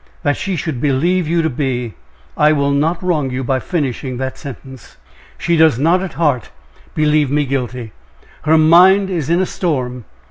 that she should believe you to be I will not wrong you by finishing the sentence." "She does not at heart believe me guilty her mind is in a storm.